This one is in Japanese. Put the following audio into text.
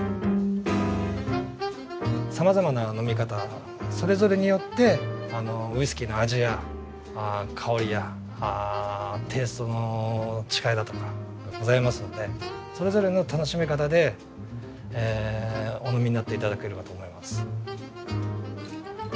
さまざまな飲み方それぞれによってウイスキーの味や香りやテイストの違いだとかございますのでそれぞれの楽しみ方でお飲みになって頂けるかと思います。